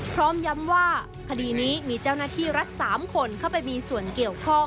พร้อมย้ำว่าคดีนี้มีเจ้าหน้าที่รัฐ๓คนเข้าไปมีส่วนเกี่ยวข้อง